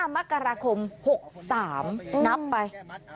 มกราคม๖๓นับไป